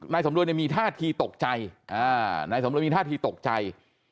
สำรวยมีท่าทีตกใจนายสำรวยมีท่าทีตกใจ